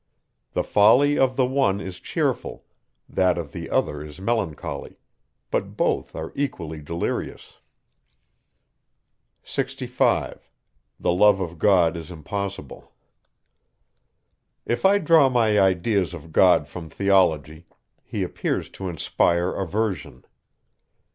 The folly of the one is cheerful, that of the other is melancholy; but both are equally delirious. 65. If I draw my ideas of God from theology, he appears to inspire aversion.